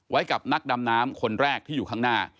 กับนักดำน้ำคนแรกที่อยู่ข้างหน้า